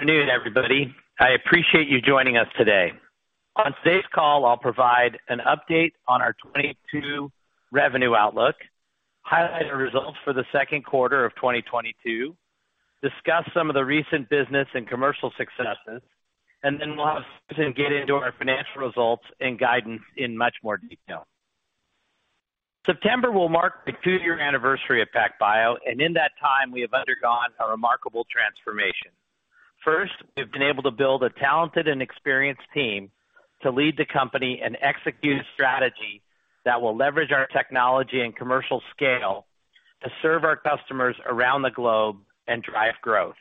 Good afternoon, everybody. I appreciate you joining us today. On today's call, I'll provide an update on our 2022 revenue outlook, highlight our results for the second quarter of 2022, discuss some of the recent business and commercial successes, and then last, get into our financial results and guidance in much more detail. September will mark the two-year anniversary of PacBio, and in that time, we have undergone a remarkable transformation. First, we've been able to build a talented and experienced team to lead the company and execute a strategy that will leverage our technology and commercial scale to serve our customers around the globe and drive growth.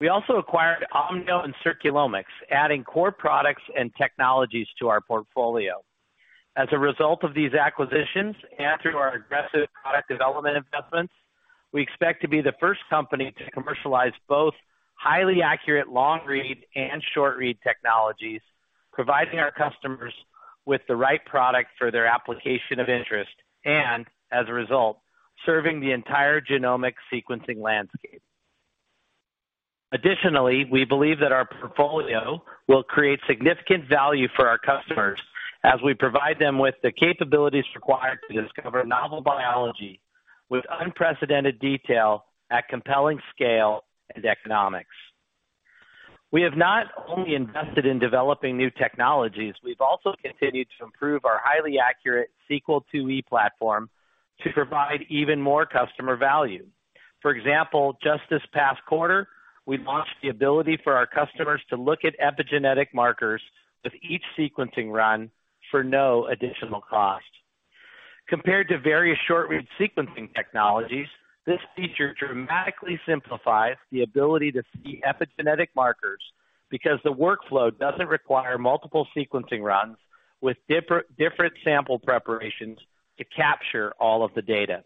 We also acquired Omniome and Circulomics, adding core products and technologies to our portfolio. As a result of these acquisitions and through our aggressive product development investments, we expect to be the first company to commercialize both highly accurate long-read and short-read technologies, providing our customers with the right product for their application of interest, and as a result, serving the entire genomic sequencing landscape. Additionally, we believe that our portfolio will create significant value for our customers as we provide them with the capabilities required to discover novel biology with unprecedented detail at compelling scale and economics. We have not only invested in developing new technologies, we've also continued to improve our highly accurate Sequel IIe platform to provide even more customer value. For example, just this past quarter, we launched the ability for our customers to look at epigenetic markers with each sequencing run for no additional cost. Compared to various short-read sequencing technologies, this feature dramatically simplifies the ability to see epigenetic markers because the workflow doesn't require multiple sequencing runs with different sample preparations to capture all of the data.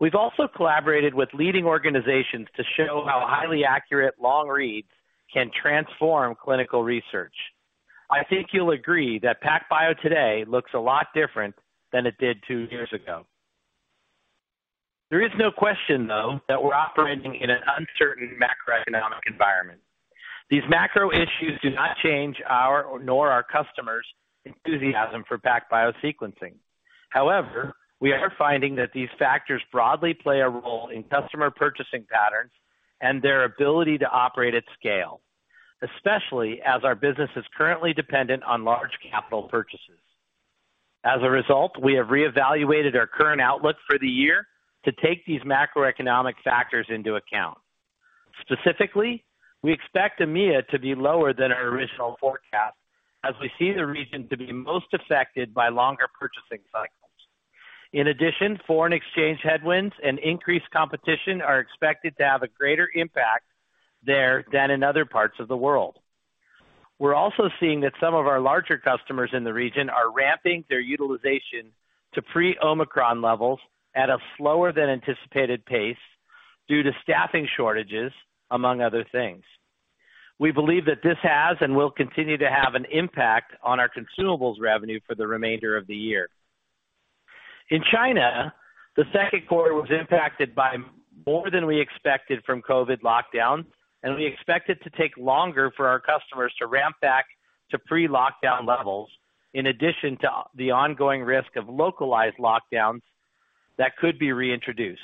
We've also collaborated with leading organizations to show how highly accurate long reads can transform clinical research. I think you'll agree that PacBio today looks a lot different than it did two years ago. There is no question, though, that we're operating in an uncertain macroeconomic environment. These macro issues do not change our nor our customers' enthusiasm for PacBio sequencing. However, we are finding that these factors broadly play a role in customer purchasing patterns and their ability to operate at scale, especially as our business is currently dependent on large capital purchases. As a result, we have reevaluated our current outlook for the year to take these macroeconomic factors into account. Specifically, we expect EMEA to be lower than our original forecast as we see the region to be most affected by longer purchasing cycles. In addition, foreign exchange headwinds and increased competition are expected to have a greater impact there than in other parts of the world. We're also seeing that some of our larger customers in the region are ramping their utilization to pre-Omicron levels at a slower than anticipated pace due to staffing shortages, among other things. We believe that this has and will continue to have an impact on our consumables revenue for the remainder of the year. In China, the second quarter was impacted by more than we expected from COVID lockdowns, and we expect it to take longer for our customers to ramp back to pre-lockdown levels, in addition to the ongoing risk of localized lockdowns that could be reintroduced.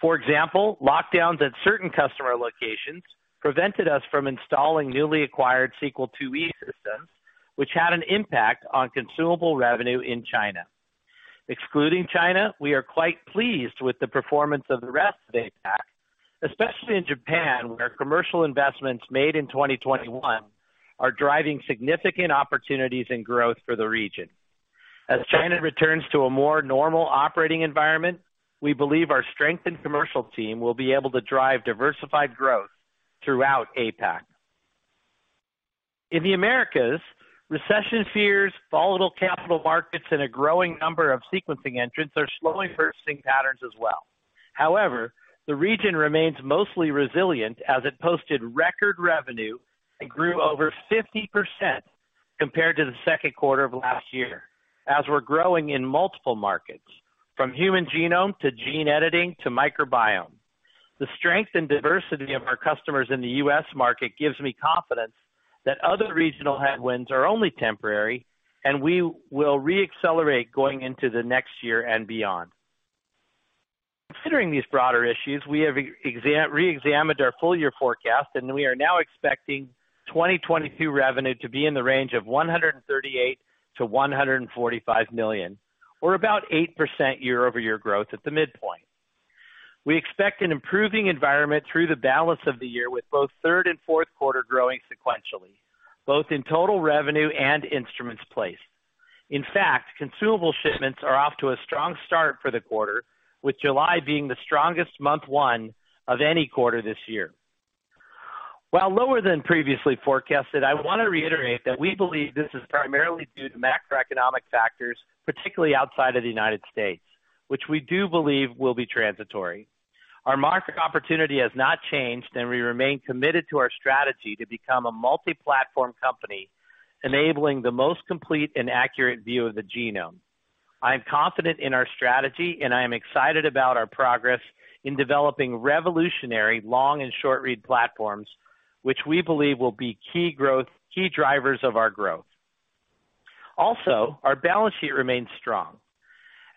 For example, lockdowns at certain customer locations prevented us from installing newly acquired Sequel IIe systems, which had an impact on consumable revenue in China. Excluding China, we are quite pleased with the performance of the rest of APAC, especially in Japan, where commercial investments made in 2021 are driving significant opportunities and growth for the region. As China returns to a more normal operating environment, we believe our strengthened commercial team will be able to drive diversified growth throughout APAC. In the Americas, recession fears, volatile capital markets, and a growing number of sequencing entrants are slowing purchasing patterns as well. However, the region remains mostly resilient as it posted record revenue and grew over 50% compared to the second quarter of last year, as we're growing in multiple markets from human genome to gene editing to microbiome. The strength and diversity of our customers in the U.S. market gives me confidence that other regional headwinds are only temporary, and we will re-accelerate going into the next year and beyond. Considering these broader issues, we have reexamined our full year forecast, and we are now expecting 2022 revenue to be in the range of $138 million-$145 million, or about 8% year-over-year growth at the midpoint. We expect an improving environment through the balance of the year, with both third and fourth quarter growing sequentially, both in total revenue and instruments placed. In fact, consumable shipments are off to a strong start for the quarter, with July being the strongest month of any quarter this year. While lower than previously forecasted, I want to reiterate that we believe this is primarily due to macroeconomic factors, particularly outside of the United States, which we do believe will be transitory. Our market opportunity has not changed, and we remain committed to our strategy to become a multi-platform company, enabling the most complete and accurate view of the genome. I'm confident in our strategy, and I am excited about our progress in developing revolutionary long and short-read platforms, which we believe will be key drivers of our growth. Also, our balance sheet remains strong.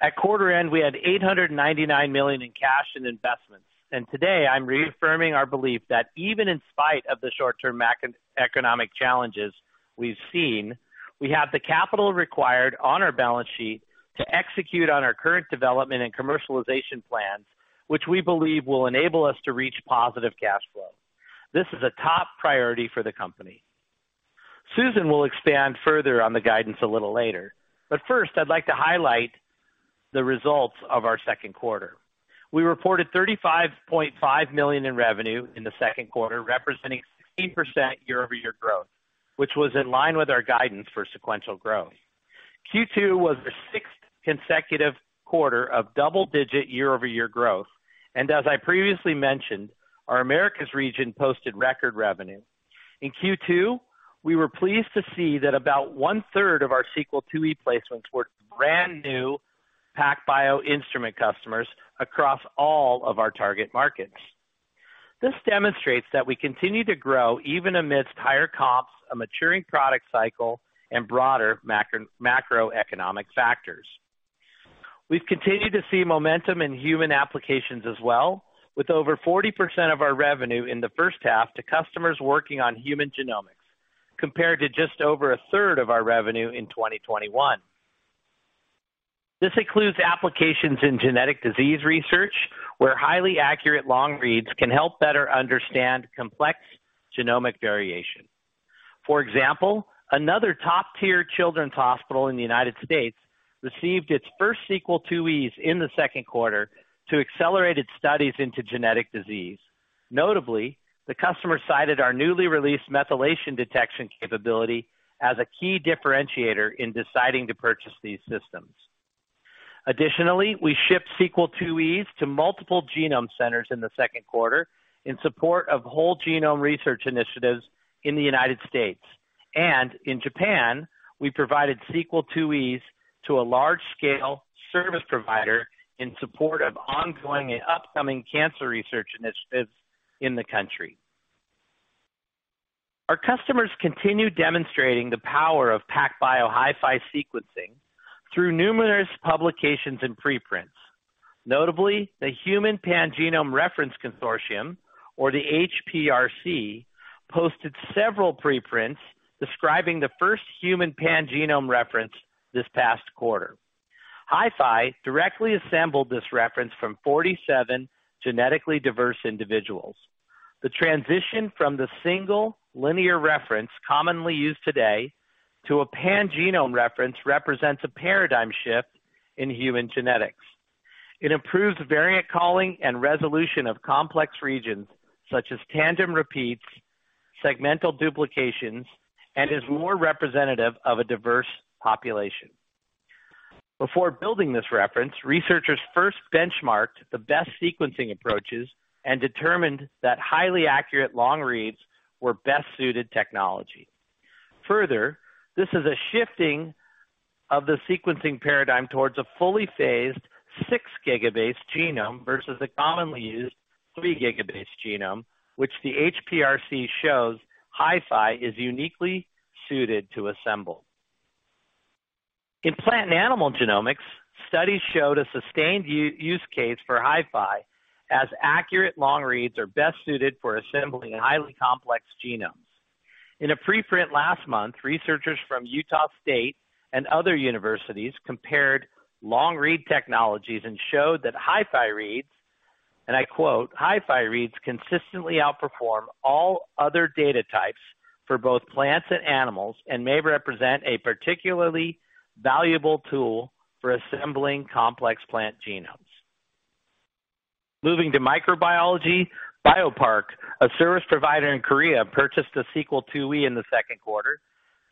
At quarter end, we had $899 million in cash and investments. Today I'm reaffirming our belief that even in spite of the short-term macroeconomic challenges we've seen, we have the capital required on our balance sheet to execute on our current development and commercialization plans, which we believe will enable us to reach positive cash flow. This is a top priority for the company. Susan will expand further on the guidance a little later, but first I'd like to highlight the results of our second quarter. We reported $35.5 million in revenue in the second quarter, representing 16% year-over-year growth, which was in line with our guidance for sequential growth. Q2 was the sixth consecutive quarter of double-digit year-over-year growth. As I previously mentioned, our Americas region posted record revenue. In Q2, we were pleased to see that about 1/3 of our Sequel IIe placements were brand new PacBio instrument customers across all of our target markets. This demonstrates that we continue to grow even amidst higher comps, a maturing product cycle, and broader macroeconomic factors. We've continued to see momentum in human applications as well, with over 40% of our revenue in the first half to customers working on human genomics, compared to just over 1/3 of our revenue in 2021. This includes applications in genetic disease research, where highly accurate long reads can help better understand complex genomic variation. For example, another top-tier children's hospital in the United States received its first Sequel IIe in the second quarter to accelerate its studies into genetic disease. Notably, the customer cited our newly released methylation detection capability as a key differentiator in deciding to purchase these systems. Additionally, we shipped Sequel IIe to multiple genome centers in the second quarter in support of whole genome research initiatives in the United States. In Japan, we provided Sequel IIe to a large-scale service provider in support of ongoing and upcoming cancer research initiatives in the country. Our customers continue demonstrating the power of PacBio HiFi sequencing through numerous publications and preprints. Notably, the Human Pangenome Reference Consortium, or the HPRC, posted several preprints describing the first human pangenome reference this past quarter. HiFi directly assembled this reference from 47 genetically diverse individuals. The transition from the single linear reference commonly used today to a pangenome reference represents a paradigm shift in human genetics. It improves variant calling and resolution of complex regions such as tandem repeats, segmental duplications, and is more representative of a diverse population. Before building this reference, researchers first benchmarked the best sequencing approaches and determined that highly accurate long reads were best-suited technology. Further, this is a shifting of the sequencing paradigm towards a fully phased 6-gigabase genome versus the commonly used 3-gigabase genome, which the HPRC shows HiFi is uniquely suited to assemble. In plant and animal genomics, studies showed a sustained use case for HiFi as accurate long reads are best suited for assembling highly complex genomes. In a preprint last month, researchers from Utah State University and other universities compared long read technologies and showed that HiFi reads, and I quote, "HiFi reads consistently outperform all other data types for both plants and animals and may represent a particularly valuable tool for assembling complex plant genomes." Moving to microbiology, Biopark, a service provider in Korea, purchased a Sequel IIe in the second quarter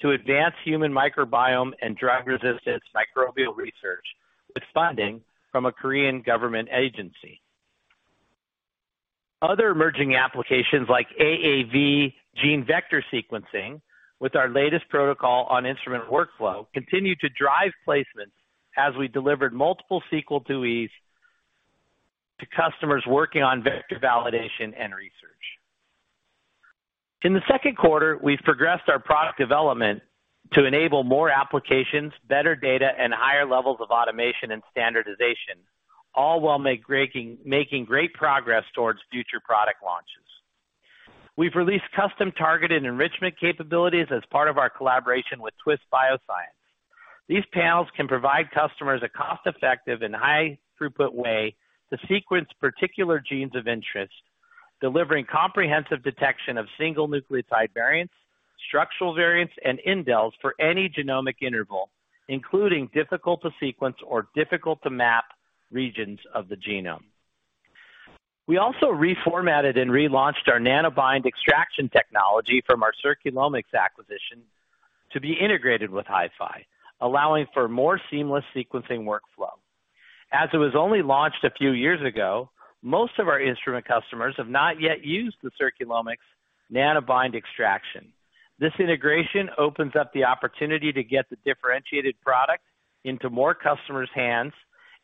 to advance human microbiome and drug resistance microbial research with funding from a Korean government agency. Other emerging applications like AAV gene vector sequencing with our latest protocol on instrument workflow continue to drive placements as we delivered multiple Sequel IIe to customers working on vector validation and research. In the second quarter, we've progressed our product development to enable more applications, better data, and higher levels of automation and standardization, all while making great progress towards future product launches. We've released custom targeted enrichment capabilities as part of our collaboration with Twist Bioscience. These panels can provide customers a cost-effective and high throughput way to sequence particular genes of interest, delivering comprehensive detection of single nucleotide variants, structural variants, and indels for any genomic interval, including difficult to sequence or difficult to map regions of the genome. We also reformatted and relaunched our Nanobind extraction technology from our Circulomics acquisition to be integrated with HiFi, allowing for more seamless sequencing workflow. As it was only launched a few years ago, most of our instrument customers have not yet used the Circulomics Nanobind extraction. This integration opens up the opportunity to get the differentiated product into more customers' hands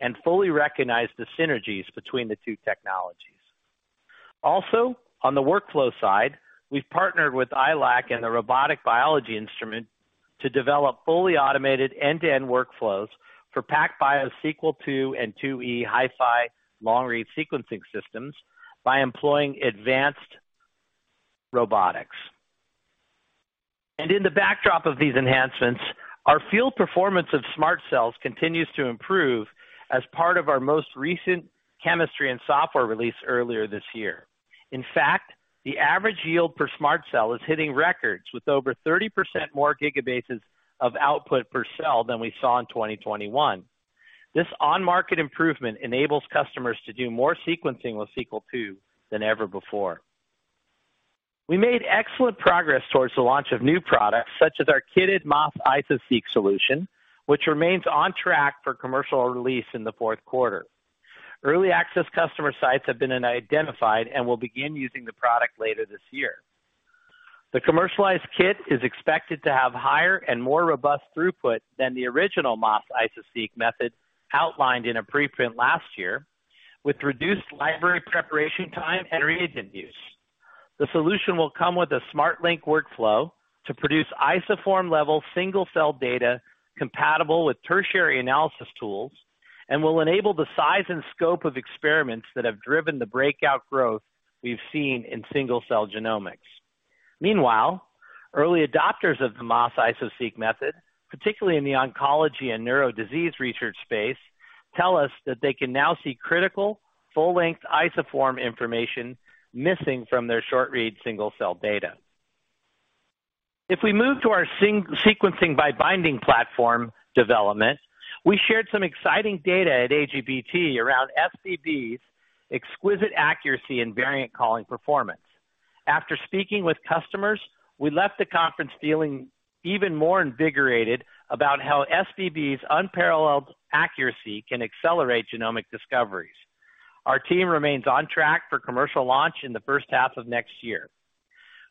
and fully recognize the synergies between the two technologies. Also, on the workflow side, we've partnered with iLAC and the Robotic Biology Institute to develop fully automated end-to-end workflows for PacBio Sequel II and IIe HiFi long-read sequencing systems by employing advanced robotics. In the backdrop of these enhancements, our field performance of SMRT Cells continues to improve as part of our most recent chemistry and software release earlier this year. In fact, the average yield per SMRT Cell is hitting records with over 30% more gigabases of output per cell than we saw in 2021. This on-market improvement enables customers to do more sequencing with Sequel II than ever before. We made excellent progress towards the launch of new products such as our kitted MAS-ISO-seq solution, which remains on track for commercial release in the fourth quarter. Early access customer sites have been identified and will begin using the product later this year. The commercialized kit is expected to have higher and more robust throughput than the original MAS-ISO-seq method outlined in a preprint last year, with reduced library preparation time and reagent use. The solution will come with a SMRT Link workflow to produce isoform-level single-cell data compatible with tertiary analysis tools and will enable the size and scope of experiments that have driven the breakout growth we've seen in single-cell genomics. Meanwhile, early adopters of the MAS-ISO-seq method, particularly in the oncology and neurodisease research space, tell us that they can now see critical full-length isoform information missing from their short-read single-cell data. If we move to our sequencing by binding platform development, we shared some exciting data at AGBT around SBB's exquisite accuracy and variant calling performance. After speaking with customers, we left the conference feeling even more invigorated about how SBB's unparalleled accuracy can accelerate genomic discoveries. Our team remains on track for commercial launch in the first half of next year.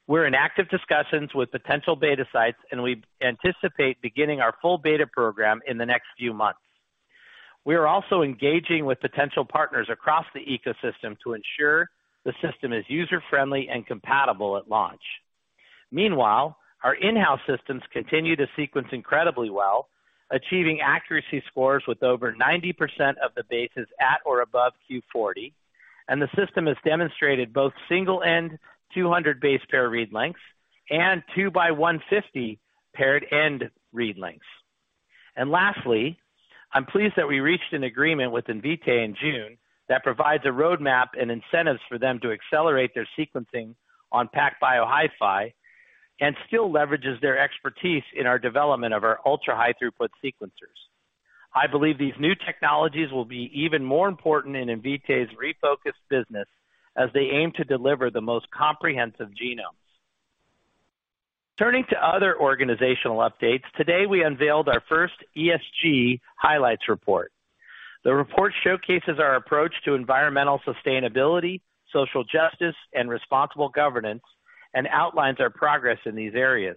We're in active discussions with potential beta sites, and we anticipate beginning our full beta program in the next few months. We are also engaging with potential partners across the ecosystem to ensure the system is user-friendly and compatible at launch. Meanwhile, our in-house systems continue to sequence incredibly well, achieving accuracy scores with over 90% of the bases at or above Q40, and the system has demonstrated both single end 200 base pair read lengths and 2x150 paired end read lengths. Lastly, I'm pleased that we reached an agreement with Invitae in June that provides a roadmap and incentives for them to accelerate their sequencing on PacBio HiFi and still leverages their expertise in our development of our ultra-high throughput sequencers. I believe these new technologies will be even more important in Invitae's refocused business as they aim to deliver the most comprehensive genomes. Turning to other organizational updates, today we unveiled our first ESG highlights report. The report showcases our approach to environmental sustainability, social justice, and responsible governance, and outlines our progress in these areas.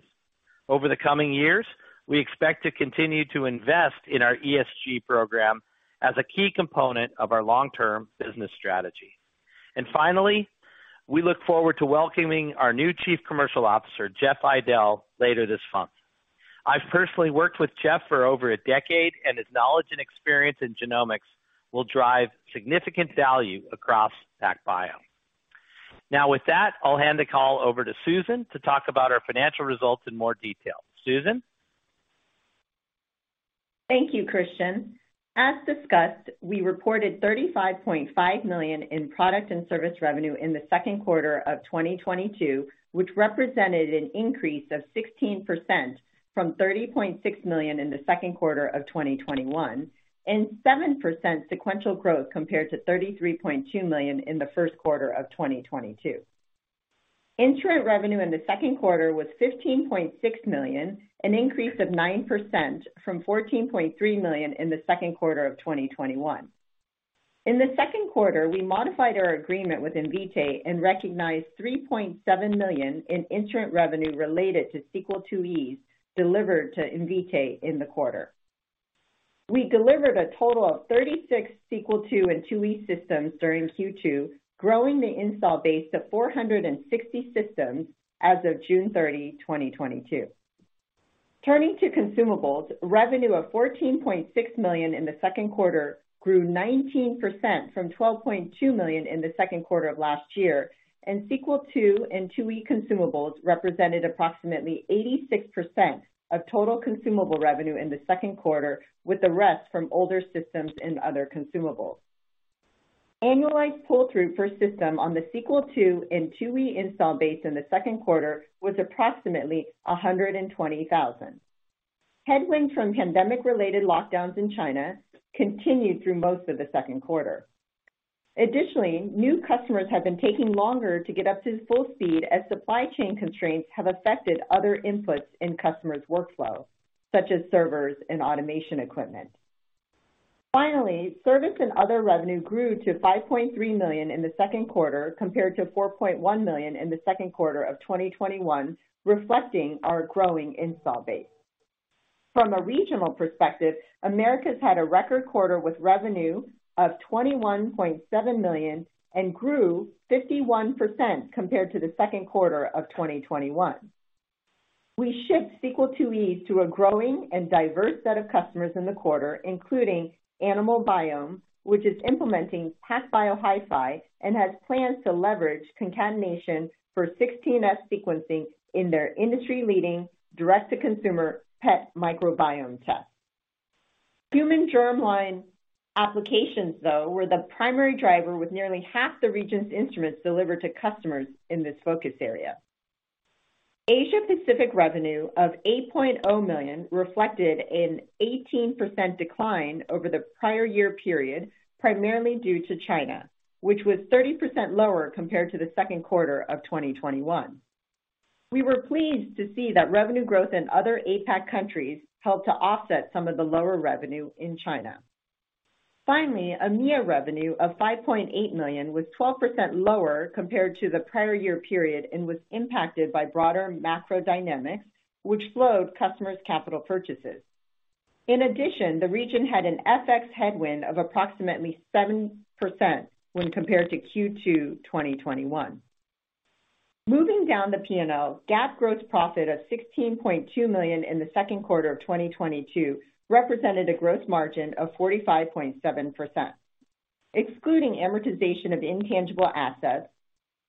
Over the coming years, we expect to continue to invest in our ESG program as a key component of our long-term business strategy. Finally, we look forward to welcoming our new Chief Commercial Officer, Jeff Eidel, later this month. I've personally worked with Jeff for over a decade, and his knowledge and experience in genomics will drive significant value across PacBio. Now, with that, I'll hand the call over to Susan to talk about our financial results in more detail. Susan? Thank you, Christian. As discussed, we reported $35.5 million in product and service revenue in the second quarter of 2022, which represented an increase of 16% from $30.6 million in the second quarter of 2021 and 7% sequential growth compared to $33.2 million in the first quarter of 2022. Interest revenue in the second quarter was $15.6 million, an increase of 9% from $14.3 million in the second quarter of 2021. In the second quarter, we modified our agreement with Invitae and recognized $3.7 million in interim revenue related to Sequel IIe systems delivered to Invitae in the quarter. We delivered a total of 36 Sequel II and IIe systems during Q2, growing the install base to 460 systems as of June 30, 2022. Turning to consumables, revenue of $14.6 million in the second quarter grew 19% from $12.2 million in the second quarter of last year, and Sequel II and IIe consumables represented approximately 86% of total consumable revenue in the second quarter, with the rest from older systems and other consumables. Annualized pull-through per system on the Sequel II and IIe install base in the second quarter was approximately 120,000. Headwinds from pandemic-related lockdowns in China continued through most of the second quarter. Additionally, new customers have been taking longer to get up to full speed as supply chain constraints have affected other inputs in customers' workflow, such as servers and automation equipment. Finally, service and other revenue grew to $5.3 million in the second quarter compared to $4.1 million in the second quarter of 2021, reflecting our growing install base. From a regional perspective, Americas had a record quarter with revenue of $21.7 million and grew 51% compared to the second quarter of 2021. We shipped Sequel IIe to a growing and diverse set of customers in the quarter, including AnimalBiome, which is implementing PacBio HiFi and has plans to leverage concatenation for 16S sequencing in their industry-leading direct-to-consumer pet microbiome test. Human germline applications, though, were the primary driver, with nearly half the region's instruments delivered to customers in this focus area. Asia-Pacific revenue of $8.0 million reflected an 18% decline over the prior year period, primarily due to China, which was 30% lower compared to the second quarter of 2021. We were pleased to see that revenue growth in other APAC countries helped to offset some of the lower revenue in China. Finally, EMEA revenue of $5.8 million was 12% lower compared to the prior year period and was impacted by broader macro dynamics, which slowed customers' capital purchases. In addition, the region had an FX headwind of approximately 7% when compared to Q2 2021. Moving down the P&L, GAAP gross profit of $16.2 million in the second quarter of 2022 represented a gross margin of 45.7%. Excluding amortization of intangible assets,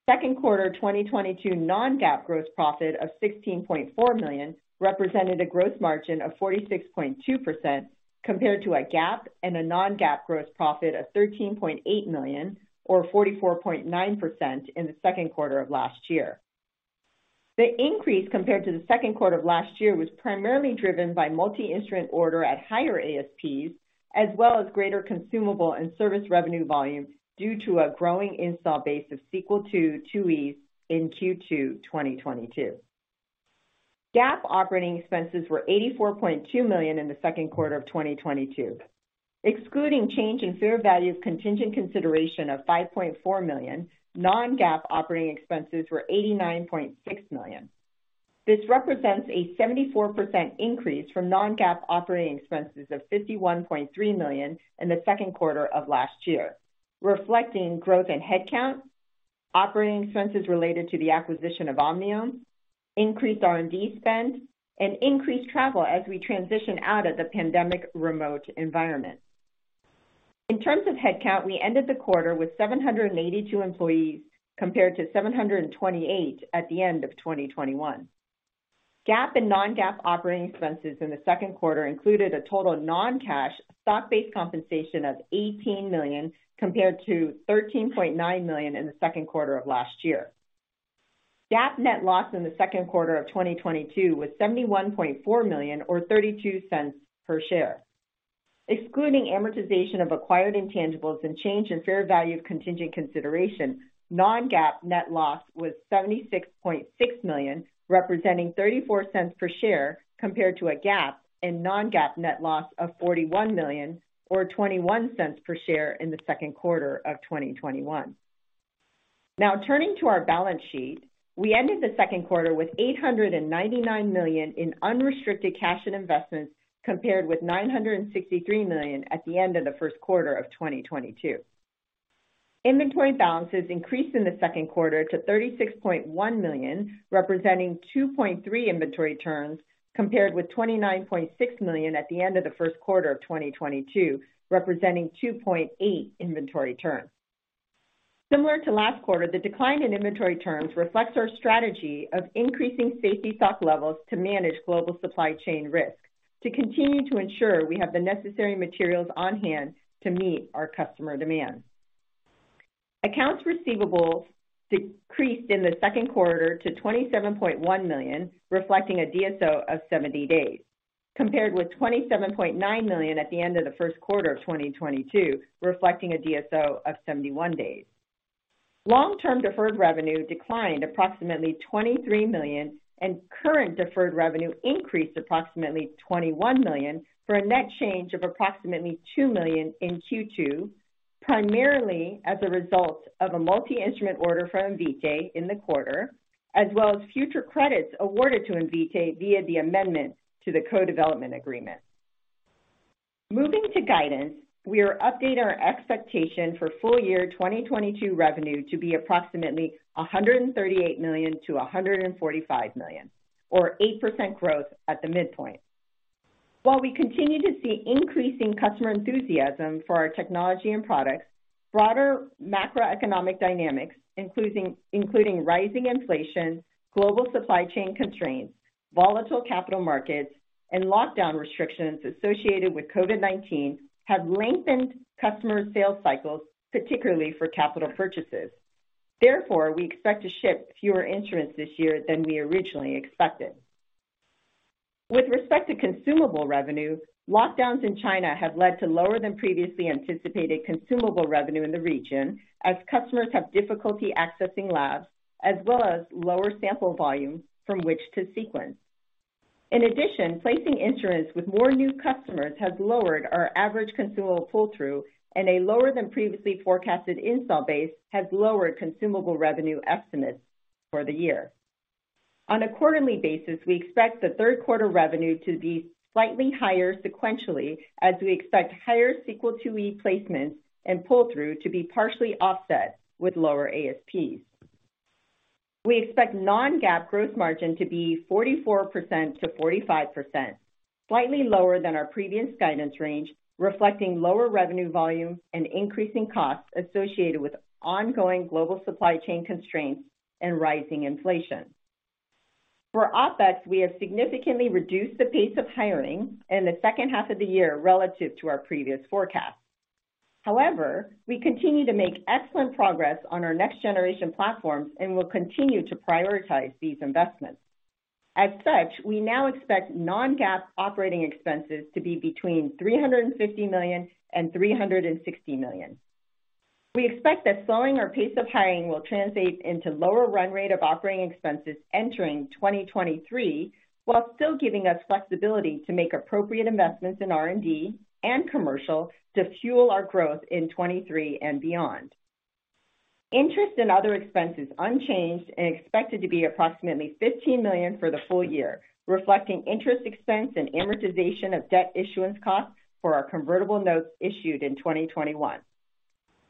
second quarter 2022 non-GAAP gross profit of $16.4 million represented a gross margin of 46.2% compared to a GAAP and a non-GAAP gross profit of $13.8 million or 44.9% in the second quarter of last year. The increase compared to the second quarter of last year was primarily driven by multi-instrument order at higher ASPs, as well as greater consumable and service revenue volumes due to a growing install base of Sequel II, IIe in Q2 2022. GAAP operating expenses were $84.2 million in the second quarter of 2022. Excluding change in fair value of contingent consideration of $5.4 million, non-GAAP operating expenses were $89.6 million. This represents a 74% increase from non-GAAP operating expenses of $51.3 million in the second quarter of last year, reflecting growth in headcount, operating expenses related to the acquisition of Omniome, increased R&D spend, and increased travel as we transition out of the pandemic remote environment. In terms of headcount, we ended the quarter with 782 employees compared to 728 at the end of 2021. GAAP and non-GAAP operating expenses in the second quarter included a total non-cash stock-based compensation of $18 million, compared to $13.9 million in the second quarter of last year. GAAP net loss in the second quarter of 2022 was $71.4 million or $0.32 per share. Excluding amortization of acquired intangibles and change in fair value of contingent consideration, non-GAAP net loss was $76.6 million, representing $0.34 per share, compared to a GAAP and non-GAAP net loss of $41 million or $0.21 per share in the second quarter of 2021. Now, turning to our balance sheet. We ended the second quarter with $899 million in unrestricted cash and investments, compared with $963 million at the end of the first quarter of 2022. Inventory balances increased in the second quarter to $36.1 million, representing 2.3 inventory turns, compared with $29.6 million at the end of the first quarter of 2022, representing 2.8 inventory turns. Similar to last quarter, the decline in inventory turns reflects our strategy of increasing safety stock levels to manage global supply chain risk, to continue to ensure we have the necessary materials on hand to meet our customer demand. Accounts receivable decreased in the second quarter to $27.1 million, reflecting a DSO of 70 days, compared with $27.9 million at the end of the first quarter of 2022, reflecting a DSO of 71 days. Long-term deferred revenue declined approximately $23 million, and current deferred revenue increased approximately $21 million, for a net change of approximately $2 million in Q2, primarily as a result of a multi-instrument order from Invitae in the quarter, as well as future credits awarded to Invitae via the amendment to the co-development agreement. Moving to guidance, we are updating our expectation for full year 2022 revenue to be approximately $138 million-$145 million, or 8% growth at the midpoint. While we continue to see increasing customer enthusiasm for our technology and products, broader macroeconomic dynamics, including rising inflation, global supply chain constraints, volatile capital markets, and lockdown restrictions associated with COVID-19, have lengthened customers' sales cycles, particularly for capital purchases. Therefore, we expect to ship fewer instruments this year than we originally expected. With respect to consumable revenue, lockdowns in China have led to lower than previously anticipated consumable revenue in the region as customers have difficulty accessing labs, as well as lower sample volumes from which to sequence. In addition, placing instruments with more new customers has lowered our average consumable pull-through, and a lower than previously forecasted install base has lowered consumable revenue estimates for the year. On a quarterly basis, we expect the third quarter revenue to be slightly higher sequentially as we expect higher Sequel IIe placements and pull-through to be partially offset with lower ASPs. We expect non-GAAP gross margin to be 44%-45%, slightly lower than our previous guidance range, reflecting lower revenue volume and increasing costs associated with ongoing global supply chain constraints and rising inflation. For OpEx, we have significantly reduced the pace of hiring in the second half of the year relative to our previous forecast. However, we continue to make excellent progress on our next generation platforms and will continue to prioritize these investments. As such, we now expect non-GAAP operating expenses to be between $350 million and $360 million. We expect that slowing our pace of hiring will translate into lower run rate of operating expenses entering 2023, while still giving us flexibility to make appropriate investments in R&D and commercial to fuel our growth in 2023 and beyond. Interest and other expenses unchanged and expected to be approximately $15 million for the full year, reflecting interest expense and amortization of debt issuance costs for our convertible notes issued in 2021.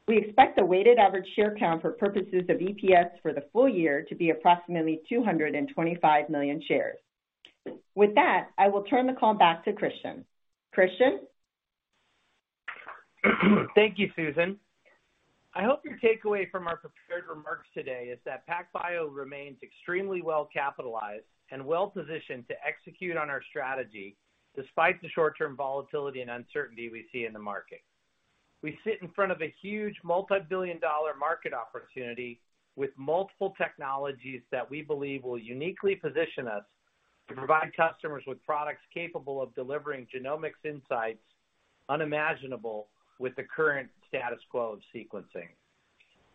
We expect the weighted average share count for purposes of EPS for the full year to be approximately 225 million shares. With that, I will turn the call back to Christian. Christian? Thank you, Susan. I hope your takeaway from our prepared remarks today is that PacBio remains extremely well capitalized and well-positioned to execute on our strategy despite the short-term volatility and uncertainty we see in the market. We sit in front of a huge multi-billion-dollar market opportunity with multiple technologies that we believe will uniquely position us to provide customers with products capable of delivering genomics insights unimaginable with the current status quo of sequencing.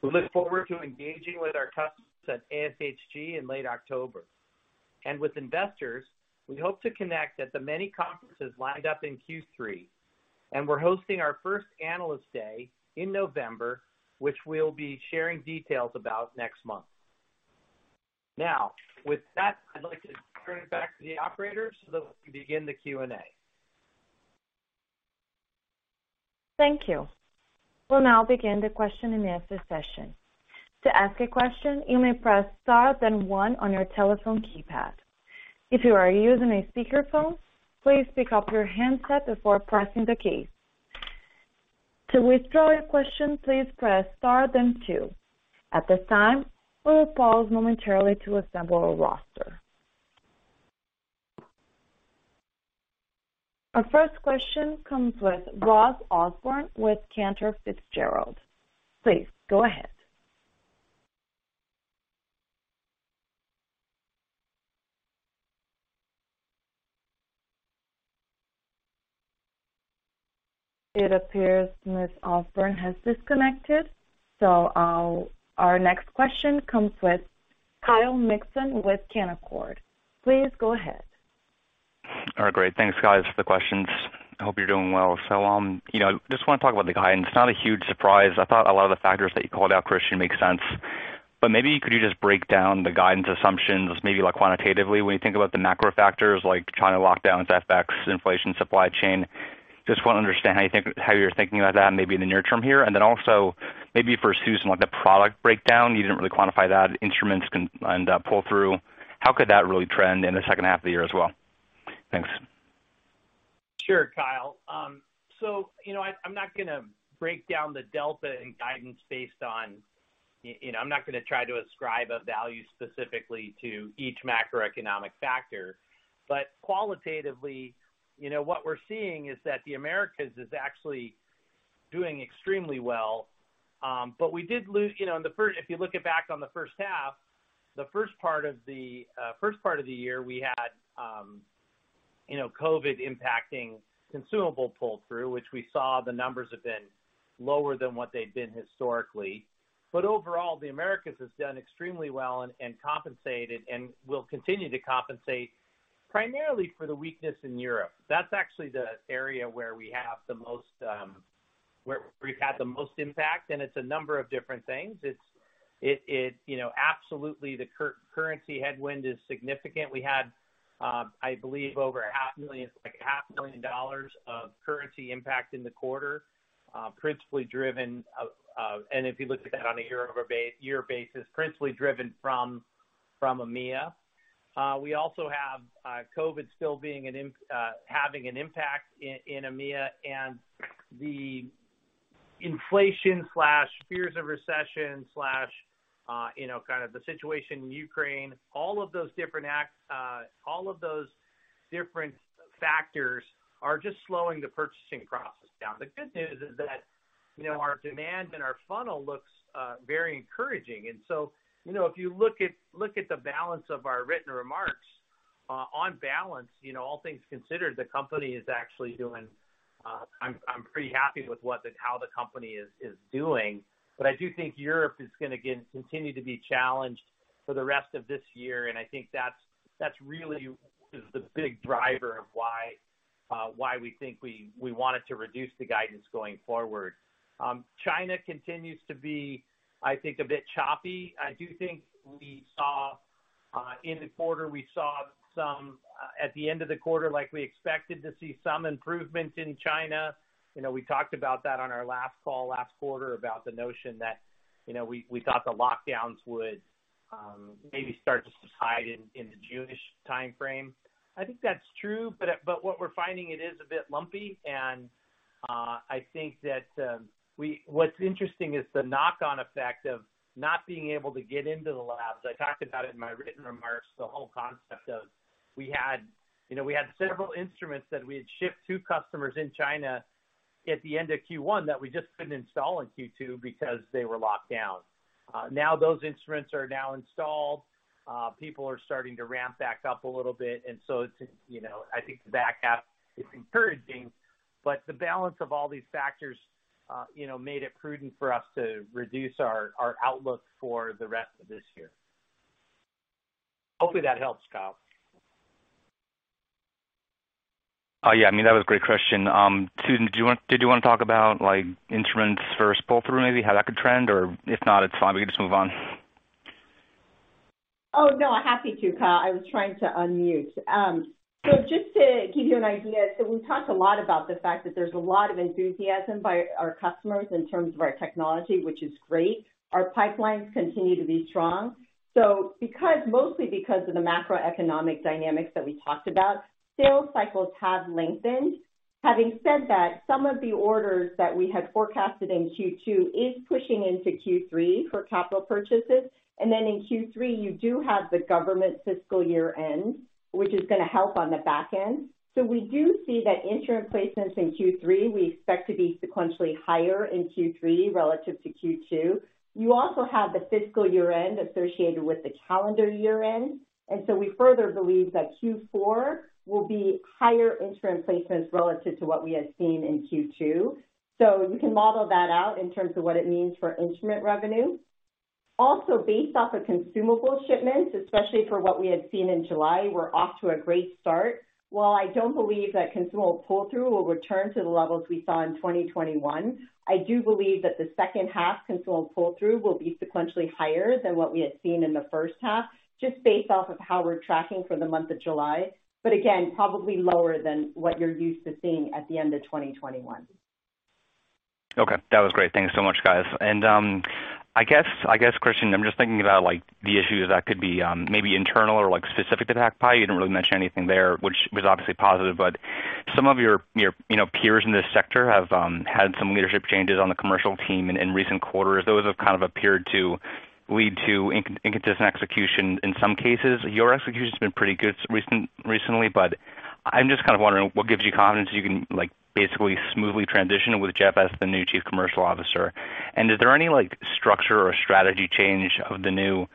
We look forward to engaging with our customers at ASHG in late October. With investors, we hope to connect at the many conferences lined up in Q3. We're hosting our first Analyst Day in November, which we'll be sharing details about next month. Now, with that, I'd like to turn it back to the operator so that we can begin the Q&A. Thank you. We'll now begin the question-and-answer session. To ask a question, you may press star then one on your telephone keypad. If you are using a speakerphone, please pick up your handset before pressing the key. To withdraw your question, please press star then two. At this time, we will pause momentarily to assemble a roster. Our first question comes with Ross Osborn with Cantor Fitzgerald. Please go ahead. It appears Ms. Osborn has disconnected. Our next question comes with Kyle Mikson with Canaccord. Please go ahead. All right, great. Thanks, guys, for the questions. I hope you're doing well. You know, just wanna talk about the guidance. Not a huge surprise. I thought a lot of the factors that you called out, Christian, make sense. Maybe could you just break down the guidance assumptions, maybe like quantitatively, when you think about the macro factors like China lockdowns, FX, inflation, supply chain. Just wanna understand how you're thinking about that maybe in the near term here. Maybe for Susan, like the product breakdown, you didn't really quantify that, instruments and pull-through, how could that really trend in the second half of the year as well? Thanks. Sure, Kyle. So, you know, I'm not gonna break down the delta in guidance based on, you know, I'm not gonna try to ascribe a value specifically to each macroeconomic factor. Qualitatively, you know, what we're seeing is that the Americas is actually doing extremely well. We did lose, you know, in the first half, the first part of the year, we had, you know, COVID impacting consumable pull-through, which we saw the numbers have been lower than what they've been historically. Overall, the Americas has done extremely well and compensated and will continue to compensate primarily for the weakness in Europe. That's actually the area where we have the most, where we've had the most impact, and it's a number of different things. It you know absolutely the currency headwind is significant. We had I believe over a half million, like a half million dollars of currency impact in the quarter principally driven and if you look at that on a year-over-year basis, principally driven from EMEA. We also have COVID still having an impact in EMEA and the inflation, fears of recession you know kind of the situation in Ukraine, all of those different factors are just slowing the purchasing process down. The good news is that you know our demand and our funnel looks very encouraging. You know, if you look at the balance of our written remarks, on balance, you know, all things considered, the company is actually doing. I'm pretty happy with how the company is doing. I do think Europe is gonna continue to be challenged for the rest of this year, and I think that's really the big driver of why we think we wanted to reduce the guidance going forward. China continues to be, I think, a bit choppy. I do think we saw in the quarter some at the end of the quarter, like we expected to see some improvements in China. You know, we talked about that on our last call last quarter about the notion that, you know, we thought the lockdowns would maybe start to subside in the June-ish timeframe. I think that's true, but what we're finding is a bit lumpy, and I think that what's interesting is the knock-on effect of not being able to get into the labs. I talked about it in my written remarks, the whole concept of we had several instruments that we had shipped to customers in China at the end of Q1 that we just couldn't install in Q2 because they were locked down. Now those instruments are installed. People are starting to ramp back up a little bit, and so to, you know, I think the back half is encouraging. The balance of all these factors, you know, made it prudent for us to reduce our outlook for the rest of this year. Hopefully, that helps, Kyle. Yeah. I mean, that was a great question. Susan, did you wanna talk about, like, instruments first pull-through maybe, how that could trend? Or if not, it's fine. We can just move on. Oh, no, happy to, Kyle. I was trying to unmute. Just to give you an idea, we've talked a lot about the fact that there's a lot of enthusiasm by our customers in terms of our technology, which is great. Our pipelines continue to be strong. Mostly because of the macroeconomic dynamics that we talked about, sales cycles have lengthened. Having said that, some of the orders that we had forecasted in Q2 is pushing into Q3 for capital purchases. Then in Q3, you do have the government fiscal year end, which is gonna help on the back end. We do see that instrument placements in Q3, we expect to be sequentially higher in Q3 relative to Q2. You also have the fiscal year end associated with the calendar year end. We further believe that Q4 will be higher instrument placements relative to what we had seen in Q2. You can model that out in terms of what it means for instrument revenue. Also, based off of consumable shipments, especially for what we had seen in July, we're off to a great start. While I don't believe that consumable pull-through will return to the levels we saw in 2021, I do believe that the second half consumable pull-through will be sequentially higher than what we had seen in the first half, just based off of how we're tracking for the month of July. Again, probably lower than what you're used to seeing at the end of 2021. Okay. That was great. Thank you so much, guys. I guess, Christian, I'm just thinking about, like, the issues that could be, maybe internal or, like, specific to PacBio. You didn't really mention anything there, which was obviously positive, but some of your, you know, peers in this sector have had some leadership changes on the commercial team in recent quarters. Those have kind of appeared to lead to inconsistent execution in some cases. Your execution's been pretty good recently, but I'm just kind of wondering what gives you confidence you can, like, basically smoothly transition with Jeff as the new Chief Commercial Officer. Is there any, like, structure or strategy change of the new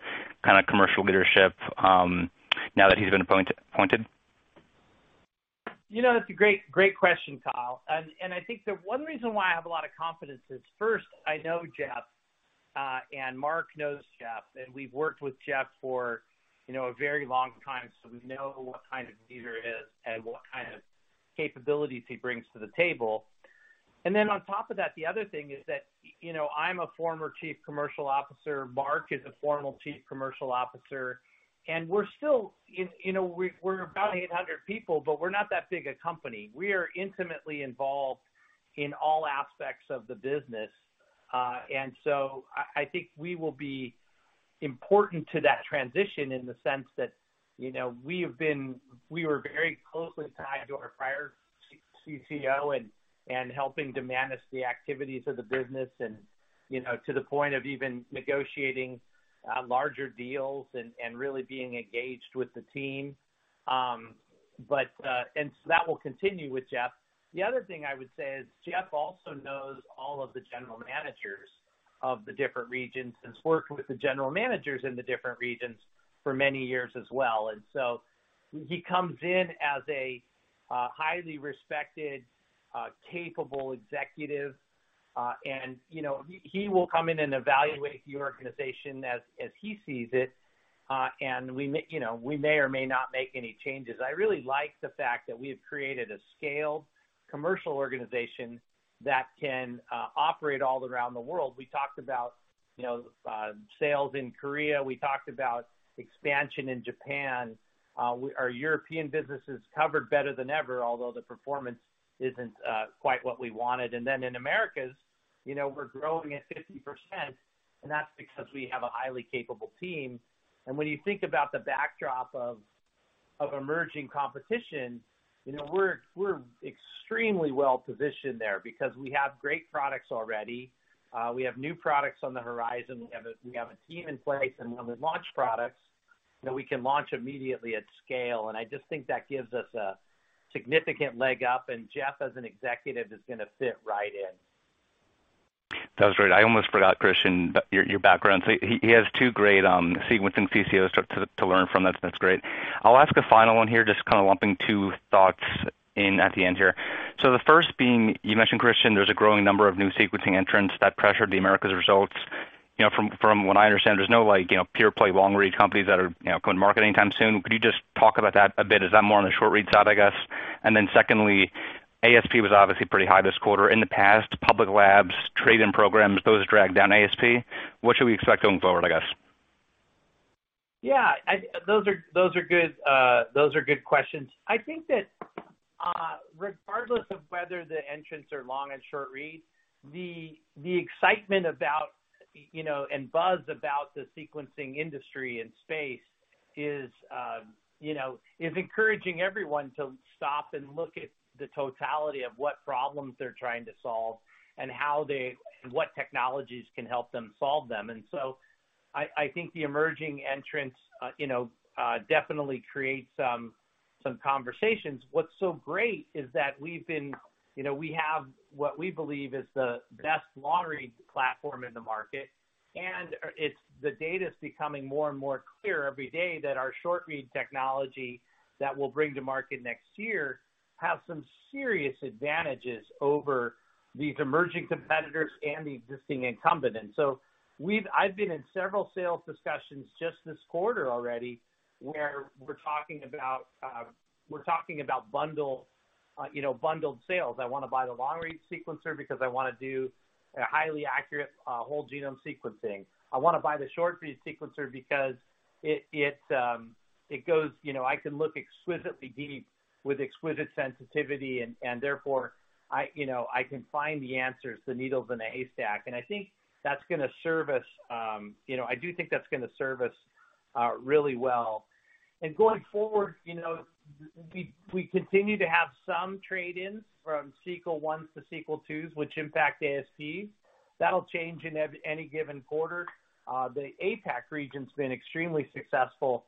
kind of commercial leadership, now that he's been appointed? You know, that's a great question, Kyle. I think the one reason why I have a lot of confidence is, first, I know Jeff, and Mark knows Jeff, and we've worked with Jeff for, you know, a very long time, so we know what kind of leader he is and what kind of capabilities he brings to the table. Then on top of that, the other thing is that, you know, I'm a former chief commercial officer, Mark is a former chief commercial officer, and we're still in, you know, we're about 800 people, but we're not that big a company. We are intimately involved in all aspects of the business. I think we will be important to that transition in the sense that, you know, we were very closely tied to our prior CCO and helping to manage the activities of the business and, you know, to the point of even negotiating larger deals and really being engaged with the team. That will continue with Jeff. The other thing I would say is Jeff also knows all of the general managers of the different regions and has worked with the general managers in the different regions for many years as well. He comes in as a highly respected, capable executive. You know, he will come in and evaluate the organization as he sees it. You know, we may or may not make any changes. I really like the fact that we have created a scaled commercial organization that can operate all around the world. We talked about, you know, sales in Korea. We talked about expansion in Japan. Our European business is covered better than ever, although the performance isn't quite what we wanted. Then in Americas, you know, we're growing at 50%, and that's because we have a highly capable team. When you think about the backdrop of emerging competition, you know, we're extremely well-positioned there because we have great products already. We have new products on the horizon. We have a team in place, and when we launch products that we can launch immediately at scale. I just think that gives us a significant leg up. Jeff, as an executive, is going to fit right in. That was great. I almost forgot, Christian, your background. He has two great sequencing CCOs to learn from. That's great. I'll ask a final one here, just kind of lumping two thoughts in at the end here. The first being, you mentioned, Christian, there's a growing number of new sequencing entrants that pressured the Americas results. You know, from what I understand, there's no, like, you know, pure play long-read companies that are, you know, going to market anytime soon. Could you just talk about that a bit? Is that more on the short read side, I guess? And then secondly, ASP was obviously pretty high this quarter. In the past, public labs, trade-in programs, those dragged down ASP. What should we expect going forward, I guess? Those are good questions. I think that regardless of whether the entrants are long and short reads, the excitement about, you know, and buzz about the sequencing industry and space is encouraging everyone to stop and look at the totality of what problems they're trying to solve and what technologies can help them solve them. I think the emerging entrants definitely create some conversations. What's so great is that we've been. You know, we have what we believe is the best long-read platform in the market, and the data is becoming more and more clear every day that our short-read technology that we'll bring to market next year have some serious advantages over these emerging competitors and the existing incumbents. I've been in several sales discussions just this quarter already, where we're talking about bundled sales. I want to buy the long-read sequencer because I want to do a highly accurate whole genome sequencing. I want to buy the short-read sequencer because it goes you know I can look exquisitely deep with exquisite sensitivity and therefore I you know I can find the answers, the needles in a haystack. I do think that's going to serve us really well. Going forward, you know, we continue to have some trade-ins from Sequel I to Sequel IIs, which impact ASPs. That'll change in any given quarter. The APAC region's been extremely successful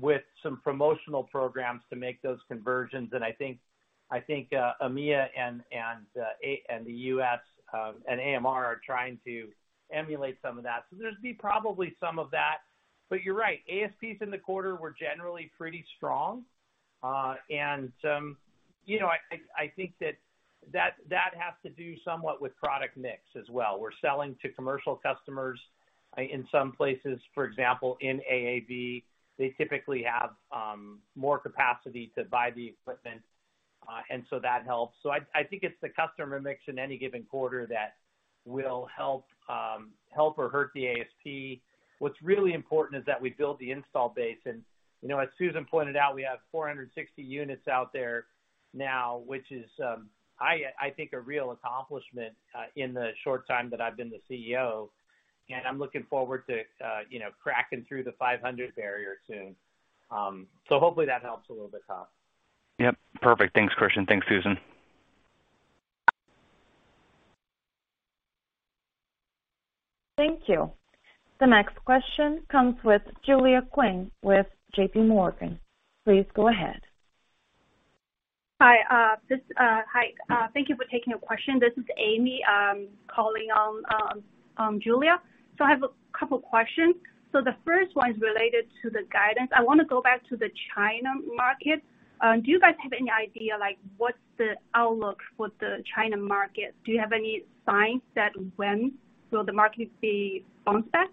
with some promotional programs to make those conversions. I think EMEA and the U.S. and AMR are trying to emulate some of that. There'll be probably some of that. But you're right, ASPs in the quarter were generally pretty strong. You know, I think that has to do somewhat with product mix as well. We're selling to commercial customers in some places, for example, in AAV, they typically have more capacity to buy the equipment and so that helps. I think it's the customer mix in any given quarter that will help or hurt the ASP. What's really important is that we build the install base and, you know, as Susan pointed out, we have 460 units out there now, which is, I think a real accomplishment, in the short time that I've been the CEO. I'm looking forward to, you know, cracking through the 500 barrier soon. So hopefully that helps a little bit, Kyle. Yep. Perfect. Thanks, Christian. Thanks, Susan. Thank you. The next question comes with Julia Qin with JPMorgan. Please go ahead. Hi, thank you for taking a question. This is Amy calling on Julia. I have a couple questions. The first one is related to the guidance. I want to go back to the China market. Do you guys have any idea, like, what's the outlook for the China market? Do you have any signs that when will the market be bounced back?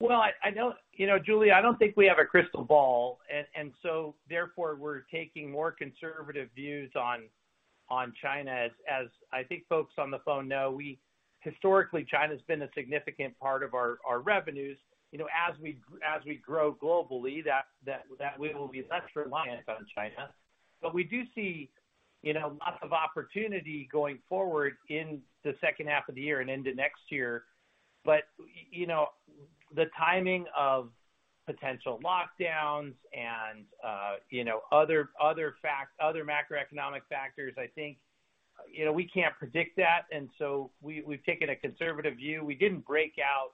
Well, I know. You know, Julia, I don't think we have a crystal ball and so therefore we're taking more conservative views on China. As I think folks on the phone know, we historically, China's been a significant part of our revenues. You know, as we grow globally, that way we'll be less reliant on China. But we do see, you know, lots of opportunity going forward in the second half of the year and into next year. But you know, the timing of potential lockdowns and, you know, other facts, other macroeconomic factors, I think, you know, we can't predict that. We've taken a conservative view. We didn't break out.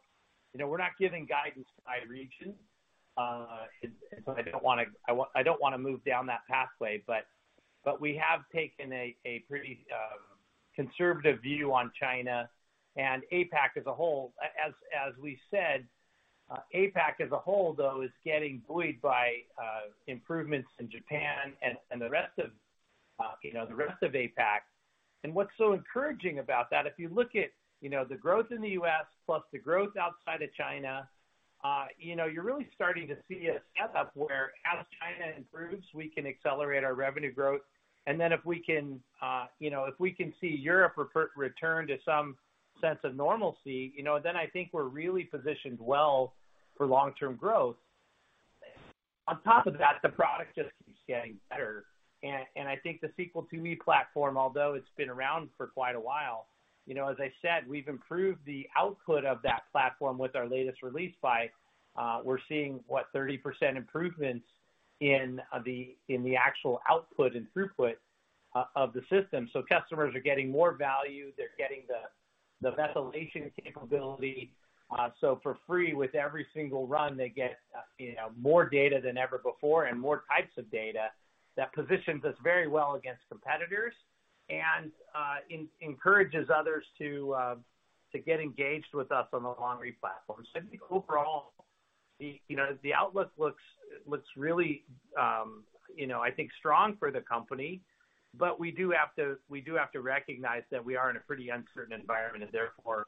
You know, we're not giving guidance by region, and so I don't want to move down that pathway, but we have taken a pretty conservative view on China and APAC as a whole. As we said, APAC as a whole, though, is getting buoyed by improvements in Japan and the rest of, you know, the rest of APAC. What's so encouraging about that, if you look at, you know, the growth in the U.S. plus the growth outside of China, you know, you're really starting to see a step up whereas China improves, we can accelerate our revenue growth. Then if we can, you know, if we can see Europe return to some sense of normalcy, you know, then I think we're really positioned well for long-term growth. On top of that, the product just keeps getting better. I think the Sequel IIe platform, although it's been around for quite a while, you know, as I said, we've improved the output of that platform with our latest release by 30% in the actual output and throughput of the system. Customers are getting more value. They're getting the validation capability for free with every single run. They get, you know, more data than ever before and more types of data that positions us very well against competitors and encourages others to get engaged with us on the long-read platform. I think overall, you know, the outlook looks really, you know, I think strong for the company. We do have to recognize that we are in a pretty uncertain environment and therefore,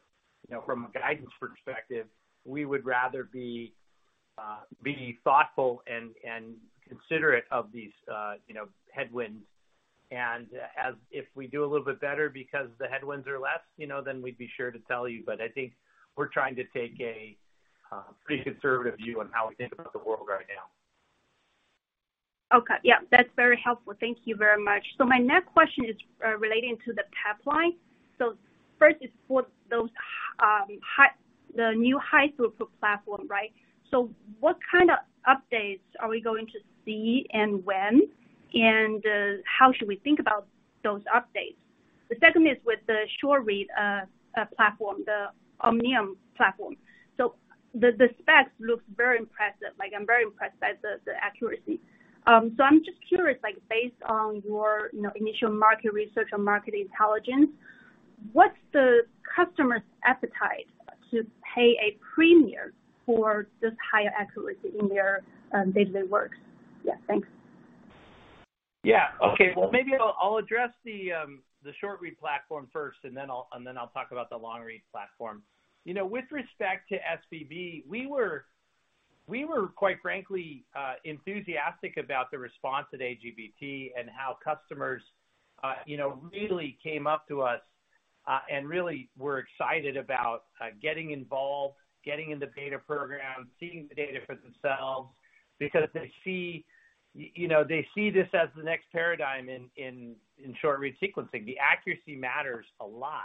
you know, from a guidance perspective, we would rather be thoughtful and considerate of these, you know, headwinds. If we do a little bit better because the headwinds are less, you know, then we'd be sure to tell you. I think we're trying to take a pretty conservative view on how we think about the world right now. Okay. Yeah, that's very helpful. Thank you very much. My next question is relating to the pipeline. First is for those, the new high-throughput platform, right? What kind of updates are we going to see and when, and how should we think about those updates? The second is with the short-read platform, the Omniome platform. The specs looks very impressive. Like, I'm very impressed by the accuracy. I'm just curious, like, based on your, you know, initial market research and market intelligence, what's the customer's appetite to pay a premium for this higher accuracy in their day-to-day work? Yeah, thanks. Yeah. Okay. Well, maybe I'll address the short-read platform first, and then I'll talk about the long-read platform. You know, with respect to SBB, we were quite frankly enthusiastic about the response at AGBT and how customers you know, really came up to us and really were excited about getting involved, getting in the beta program, seeing the data for themselves because they see this as the next paradigm in short-read sequencing. The accuracy matters a lot.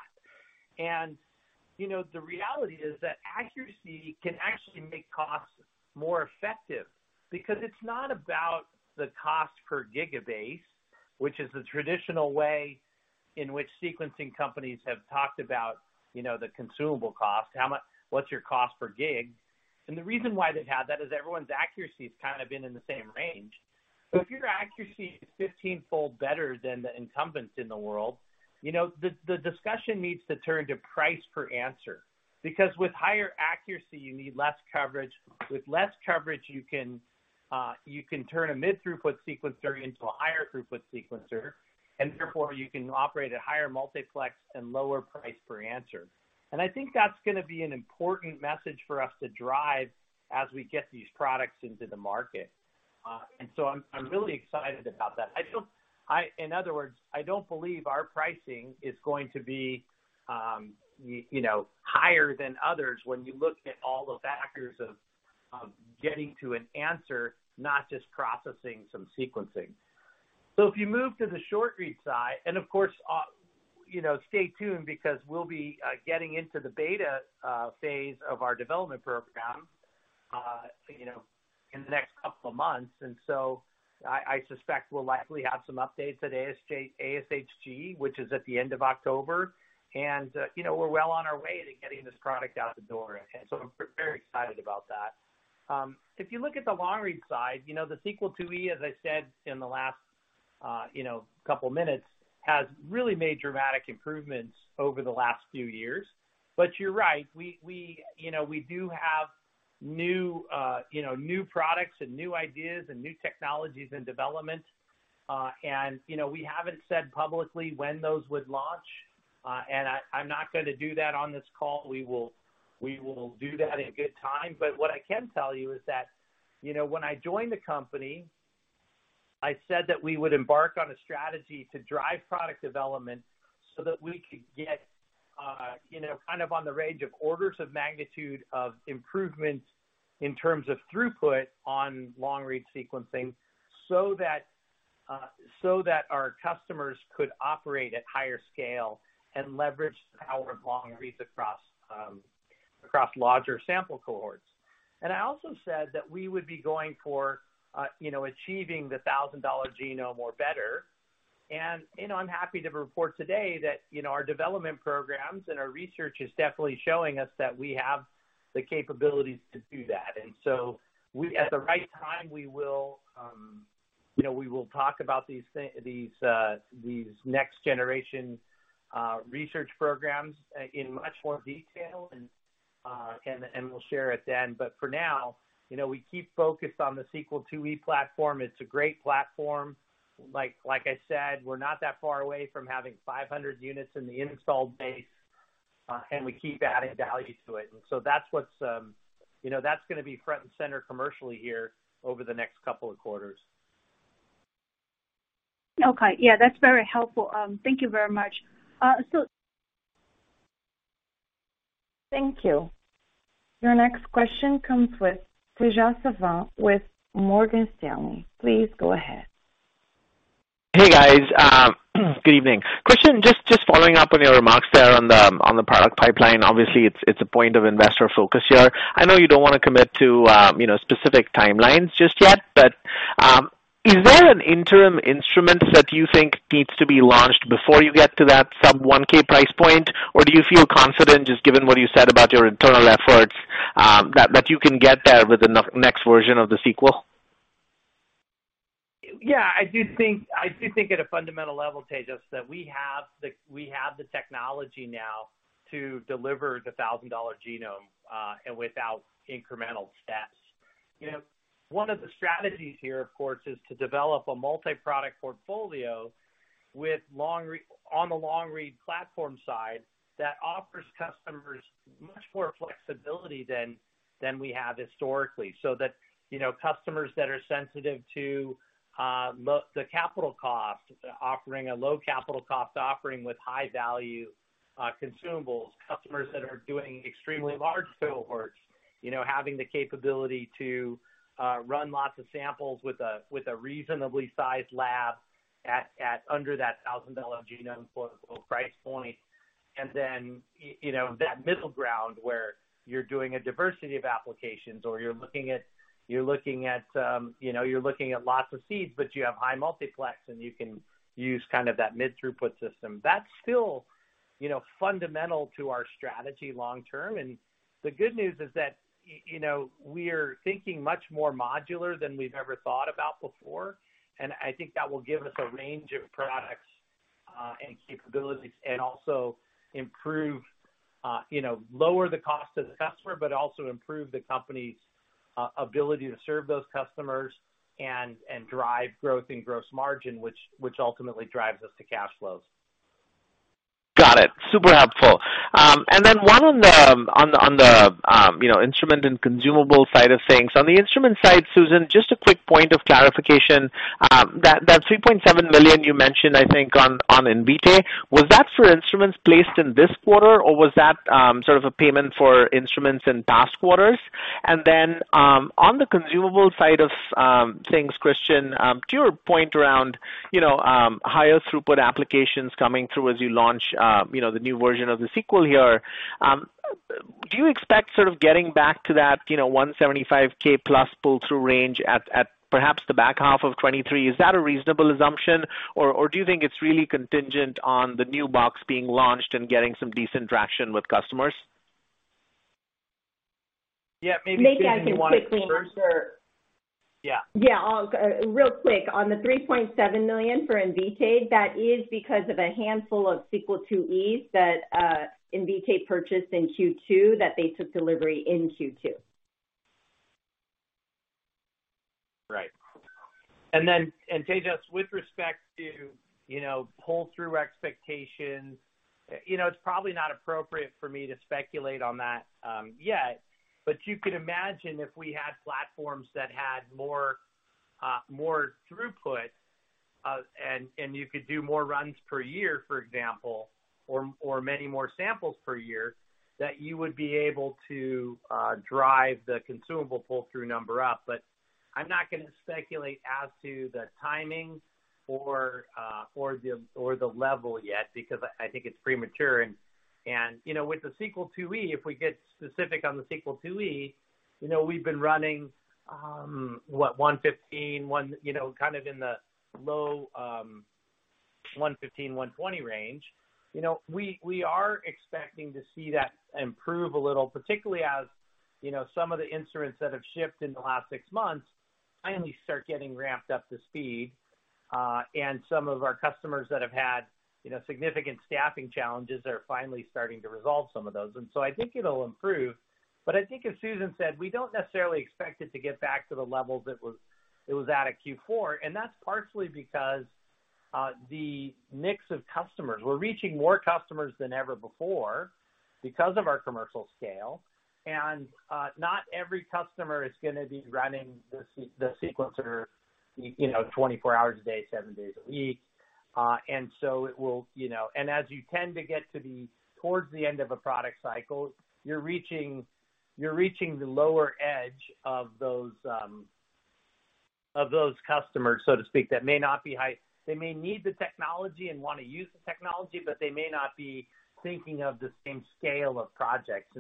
You know, the reality is that accuracy can actually make costs more effective because it's not about the cost per gigabase, which is the traditional way in which sequencing companies have talked about you know, the consumable cost. What's your cost per gig? The reason why they've had that is everyone's accuracy has kind of been in the same range. If your accuracy is 15-fold better than the incumbents in the world, you know, the discussion needs to turn to price per answer. Because with higher accuracy, you need less coverage. With less coverage, you can turn a mid-throughput sequencer into a higher throughput sequencer, and therefore you can operate at higher multiplex and lower price per answer. I think that's gonna be an important message for us to drive as we get these products into the market. I'm really excited about that. In other words, I don't believe our pricing is going to be, you know, higher than others when you look at all the factors of getting to an answer, not just processing some sequencing. If you move to the short-read side, and of course, you know, stay tuned because we'll be getting into the beta phase of our development program, you know, in the next couple of months. I suspect we'll likely have some updates at ASHG, which is at the end of October. You know, we're well on our way to getting this product out the door. I'm very excited about that. If you look at the long read side, you know, the Sequel IIe, as I said in the last, you know, couple minutes, has really made dramatic improvements over the last few years. You're right, we do have new, you know, new products and new ideas and new technologies and developments. You know, we haven't said publicly when those would launch, and I'm not gonna do that on this call. We will do that in good time. But what I can tell you is that, you know, when I joined the company, I said that we would embark on a strategy to drive product development so that we could get, you know, kind of on the range of orders of magnitude of improvements in terms of throughput on long-read sequencing so that our customers could operate at higher scale and leverage the power of long reads across larger sample cohorts. I also said that we would be going for, you know, achieving the $1,000 genome or better. You know, I'm happy to report today that our development programs and our research is definitely showing us that we have the capabilities to do that. At the right time, we will, you know, we will talk about these next generation research programs in much more detail, and we'll share it then. For now, you know, we keep focused on the Sequel IIe platform. It's a great platform. Like I said, we're not that far away from having 500 units in the installed base, and we keep adding value to it. That's what's gonna be front and center commercially here over the next couple of quarters. Okay. Yeah, that's very helpful. Thank you very much. Thank you. Your next question comes from Tejas Savant with Morgan Stanley. Please go ahead. Hey guys, good evening. Christian, just following up on your remarks there on the product pipeline. Obviously, it's a point of investor focus here. I know you don't want to commit to, you know, specific timelines just yet, but is there an interim instrument that you think needs to be launched before you get to that sub-1K price point? Or do you feel confident just given what you said about your internal efforts, that you can get there with the next version of the Sequel? Yeah, I do think at a fundamental level, Tejas, that we have the technology now to deliver the $1,000 genome and without incremental steps. You know, one of the strategies here, of course, is to develop a multi-product portfolio on the long read platform side that offers customers much more flexibility than we have historically. That, you know, customers that are sensitive to the capital cost, offering a low capital cost offering with high value consumables. Customers that are doing extremely large cohorts, you know, having the capability to run lots of samples with a reasonably sized lab at under that $1,000 genome quote-unquote price point. You know, that middle ground where you're doing a diversity of applications or you're looking at lots of reads, but you have high multiplex, and you can use kind of that mid-throughput system. That's still, you know, fundamental to our strategy long term. The good news is that, you know, we're thinking much more modular than we've ever thought about before. I think that will give us a range of products and capabilities and also improve, you know, lower the cost to the customer, but also improve the company's ability to serve those customers and drive growth in gross margin, which ultimately drives us to cash flows. Got it. Super helpful. One on the you know, instrument and consumable side of things. On the instrument side, Susan, just a quick point of clarification. That $3.7 million you mentioned, I think on Invitae, was that for instruments placed in this quarter, or was that sort of a payment for instruments in past quarters? On the consumable side of things, Christian, to your point around you know, higher throughput applications coming through as you launch you know, the new version of the Sequel here, do you expect sort of getting back to that you know, 175,000+ pull-through range at perhaps the back half of 2023? Is that a reasonable assumption? Do you think it's really contingent on the new box being launched and getting some decent traction with customers? Yeah, maybe Susan. Maybe I can quickly insert. Yeah. Real quick. On the $3.7 million for Invitae, that is because of a handful of Sequel IIe that Invitae purchased in Q2 that they took delivery in Q2. Right. Tejas, with respect to, you know, pull-through expectations, you know, it's probably not appropriate for me to speculate on that yet. You could imagine if we had platforms that had more throughput and you could do more runs per year, for example, or many more samples per year, that you would be able to drive the consumable pull-through number up. I'm not gonna speculate as to the timing or the level yet because I think it's premature. You know, with the Sequel IIe, if we get specific on the Sequel IIe, you know, we've been running what? 115, 120. You know, kind of in the low 115-120 range. We are expecting to see that improve a little, particularly as, you know, some of the instruments that have shipped in the last six months finally start getting ramped up to speed. Some of our customers that have had, you know, significant staffing challenges are finally starting to resolve some of those. I think it'll improve. I think as Susan said, we don't necessarily expect it to get back to the levels it was at a Q4, and that's partially because the mix of customers. We're reaching more customers than ever before because of our commercial scale. Not every customer is gonna be running the sequencer, you know, 24 hours a day, seven days a week. It will, you know. As you tend to get towards the end of a product cycle, you're reaching the lower edge of those customers, so to speak, that may not be high. They may need the technology and wanna use the technology, but they may not be thinking of the same scale of projects.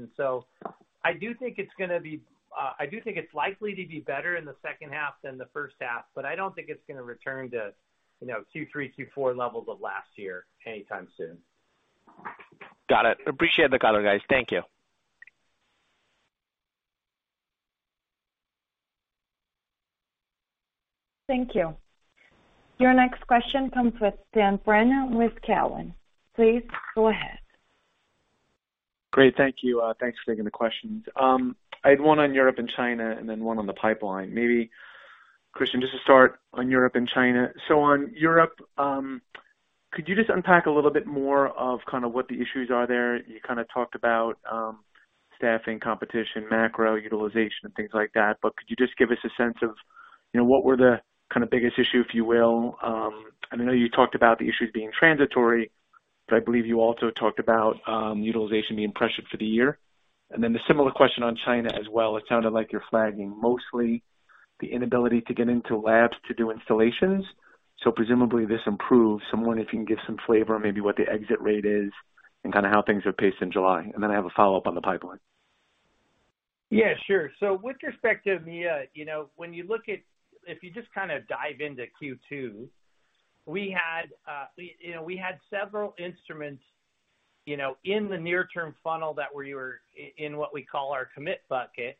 I do think it's likely to be better in the second half than the first half, but I don't think it's gonna return to, you know, Q3, Q4 levels of last year anytime soon. Got it. Appreciate the color, guys. Thank you. Thank you. Your next question comes from Dan Brennan with Cowen. Please go ahead. Great. Thank you. Thanks for taking the questions. I had one on Europe and China and then one on the pipeline. Maybe Christian, just to start on Europe and China. On Europe, could you just unpack a little bit more of kind of what the issues are there? You kind of talked about staffing, competition, macro utilization, and things like that, but could you just give us a sense of, you know, what were the kind of biggest issue, if you will? I know you talked about the issues being transitory. I believe you also talked about utilization being pressured for the year. Then the similar question on China as well. It sounded like you're flagging mostly the inability to get into labs to do installations. Presumably this improves. I'm wondering if you can give some flavor on maybe what the exit rate is and kind of how things are paced in July. I have a follow-up on the pipeline. Yeah, sure. With respect to EMEA, you know, when you look at, if you just kind of dive into Q2, we had several instruments, you know, in the near term funnel that were in what we call our commit bucket